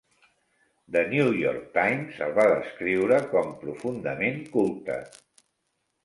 The New York Times el va descriure com profundament culte.